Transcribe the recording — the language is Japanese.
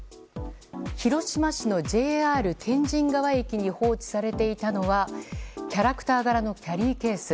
広島市のＪＲ天神川駅に放置されていたのはキャラクター柄のキャリーケース。